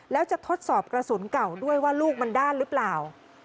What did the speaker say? แล้วจะทดสอบกระสุนเก่าด้วยว่าลูกมันด้านหรือเปล่า